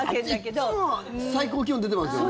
あっちいつも最高気温出てますよね。